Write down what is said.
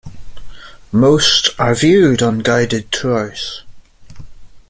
Most are viewed on guided tours.